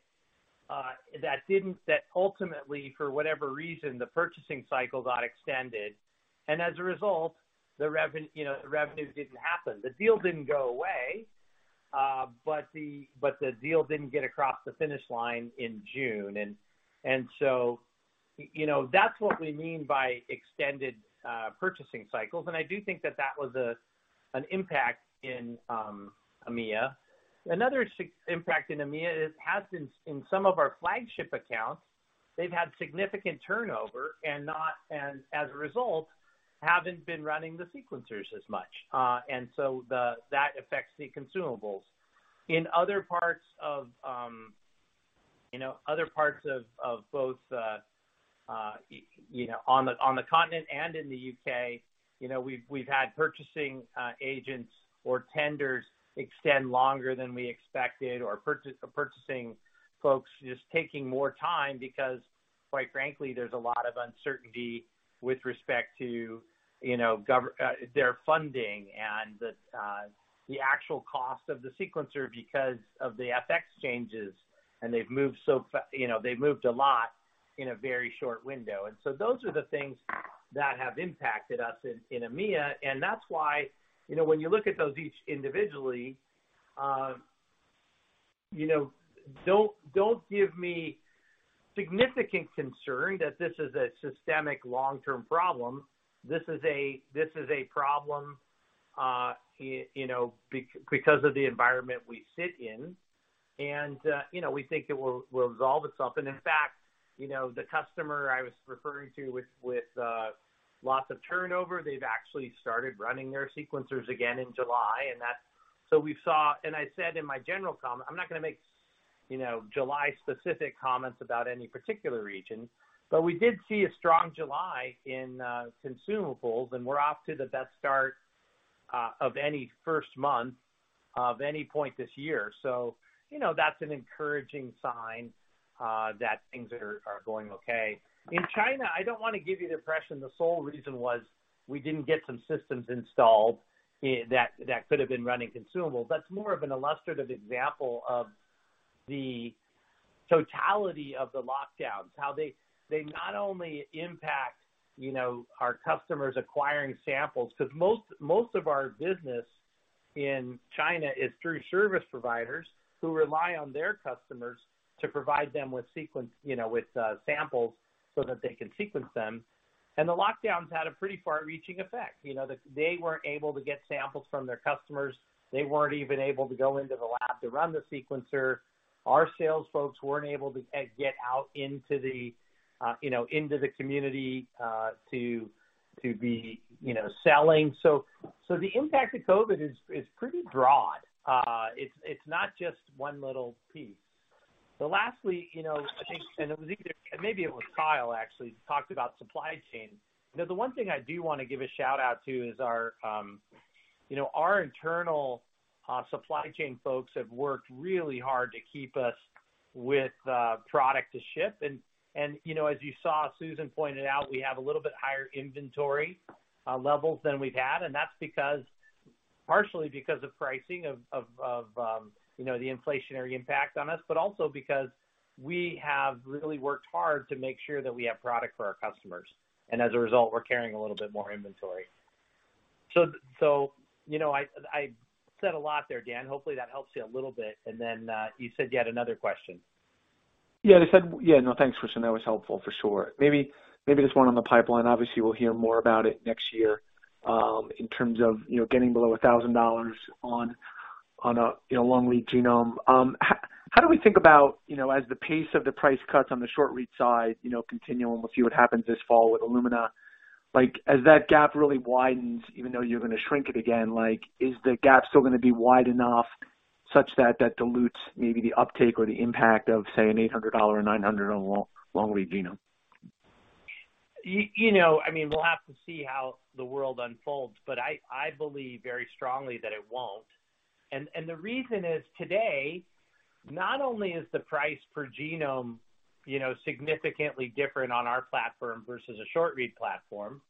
that ultimately, for whatever reason, the purchasing cycles got extended. As a result, the revenues didn't happen. The deal didn't go away, but the deal didn't get across the finish line in June. You know, that's what we mean by extended purchasing cycles. I do think that was an impact in EMEA. Another impact in EMEA has been in some of our flagship accounts, they've had significant turnover and as a result, haven't been running the sequencers as much. That affects the consumables. In other parts of both, you know, you know, on the continent and in the U.K., you know, we've had purchasing agents or tenders extend longer than we expected or purchasing folks just taking more time because, quite frankly, there's a lot of uncertainty with respect to, you know, government funding and the actual cost of the sequencer because of the FX changes. They've moved a lot in a very short window. Those are the things that have impacted us in EMEA. That's why, you know, when you look at those each individually, you know, don't give me significant concern that this is a systemic long-term problem. This is a problem, you know, because of the environment we sit in. You know, we think it will resolve itself. In fact, you know, the customer I was referring to with lots of turnover, they've actually started running their sequencers again in July. We saw, and I said in my general comment, I'm not gonna make, you know, July specific comments about any particular region, but we did see a strong July in consumables, and we're off to the best start of any first month of any point this year. You know, that's an encouraging sign that things are going okay. In China, I don't wanna give you the impression the sole reason was we didn't get some systems installed that could have been running consumables. That's more of an illustrative example of the totality of the lockdowns, how they not only impact, you know, our customers acquiring samples, 'cause most of our business in China is through service providers who rely on their customers to provide them with sequencing, you know, with samples so that they can sequence them. The lockdowns had a pretty far-reaching effect. You know, they weren't able to get samples from their customers. They weren't even able to go into the lab to run the sequencer. Our sales folks weren't able to get out into the, you know, into the community to be, you know, selling. The impact of COVID is pretty broad. It's not just one little piece. Lastly, you know, I think, and it was either. Maybe it was Kyle actually, who talked about supply chain. You know, the one thing I do wanna give a shout-out to is our, you know, our internal, supply chain folks have worked really hard to keep us with, product to ship. You know, as you saw, Susan pointed out, we have a little bit higher inventory, levels than we've had. That's because, partially because of pricing of, the inflationary impact on us, but also because we have really worked hard to make sure that we have product for our customers. As a result, we're carrying a little bit more inventory. You know, I said a lot there, Dan. Hopefully, that helps you a little bit. Then, you said you had another question. Yeah. No, thanks, Christian. That was helpful for sure. Maybe just one on the pipeline. Obviously, we'll hear more about it next year in terms of, you know, getting below $1,000 on a, you know, long-read genome. How do we think about, you know, as the pace of the price cuts on the short read side, you know, continues, we'll see what happens this fall with Illumina. Like, as that gap really widens, even though you're gonna shrink it again, like, is the gap still gonna be wide enough such that that dilutes maybe the uptake or the impact of, say, an $800 or $900 on long-read genome? You know, I mean, we'll have to see how the world unfolds, but I believe very strongly that it won't. The reason is, today, not only is the price per genome, you know, significantly different on our platform versus a short-read platform,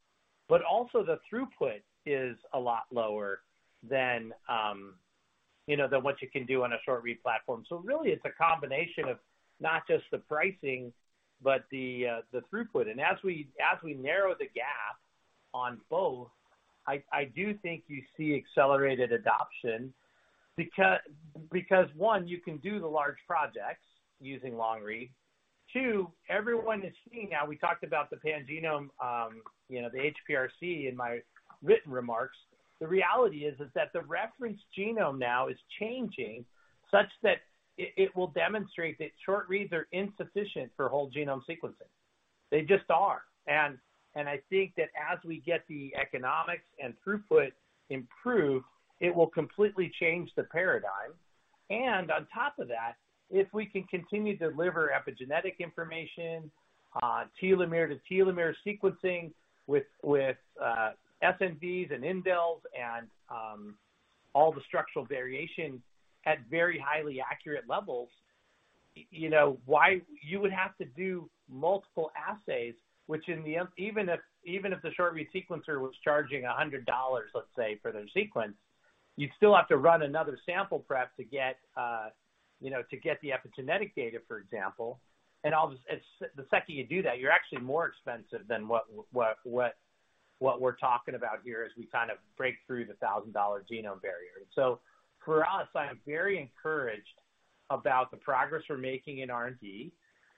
but also the throughput is a lot lower than what you can do on a short-read platform. Really, it's a combination of not just the pricing, but the throughput. As we narrow the gap on both, I do think you see accelerated adoption because, one, you can do the large projects using long read. Two, everyone is seeing now, we talked about the pangenome, the HPRC in my written remarks. The reality is that the reference genome now is changing such that it will demonstrate that short reads are insufficient for whole genome sequencing. They just are. I think that as we get the economics and throughput improved, it will completely change the paradigm. On top of that, if we can continue to deliver epigenetic information, telomere to telomere sequencing with SNVs and indels and all the structural variation at very highly accurate levels, you know, you would have to do multiple assays. Even if the short read sequencer was charging $100, let's say, for their sequence, you'd still have to run another sample prep to get, you know, to get the epigenetic data, for example. All this. The second you do that, you're actually more expensive than what we're talking about here as we kind of break through the $1,000 genome barrier. For us, I am very encouraged about the progress we're making in R&D,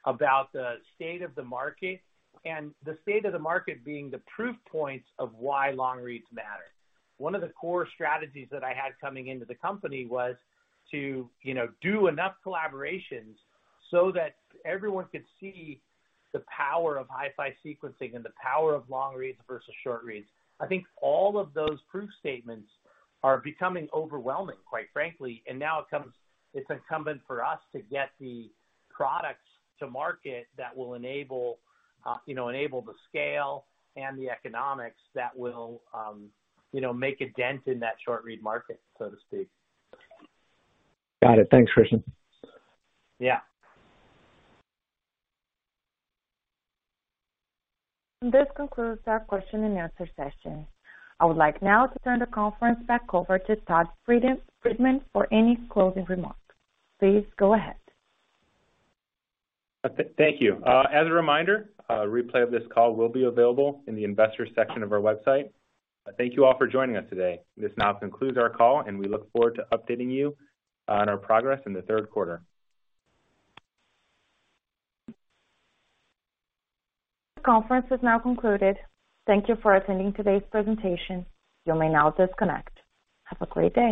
about the state of the market and the state of the market being the proof points of why long reads matter. One of the core strategies that I had coming into the company was to, you know, do enough collaborations so that everyone could see the power of HiFi sequencing and the power of long reads versus short reads. I think all of those proof statements are becoming overwhelming, quite frankly, and now it comes. It's incumbent for us to get the products to market that will enable, you know, the scale and the economics that will, you know, make a dent in that short read market, so to speak. Got it. Thanks, Christian. Yeah. This concludes our question and answer session. I would like now to turn the conference back over to Todd Friedman for any closing remarks. Please go ahead. Thank you. As a reminder, a replay of this call will be available in the investors section of our website. Thank you all for joining us today. This now concludes our call, and we look forward to updating you on our progress in the third quarter. The conference is now concluded. Thank you for attending today's presentation. You may now disconnect. Have a great day.